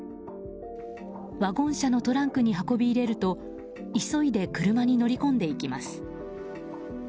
ワゴン車のトランクに運び入れると急いで車に乗り込んでいきます。